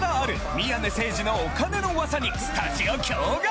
宮根誠司のお金の噂にスタジオ驚愕！